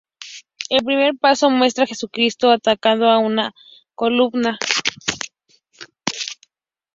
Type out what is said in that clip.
El primer paso muestra a Jesucristo atado a una columna.